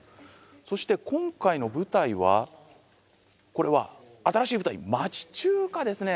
そして今回の舞台はこれは新しい舞台町中華ですね。